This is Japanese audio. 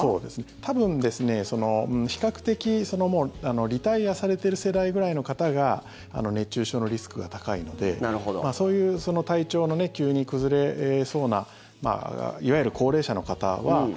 多分、比較的リタイアされている世代ぐらいの方が熱中症のリスクが高いのでそういう体調の急に崩れそうないわゆる高齢者の方は。